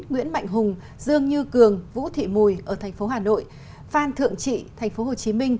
nguyễn mạnh hùng dương như cường vũ thị mùi tp hcm phan thượng trị tp hcm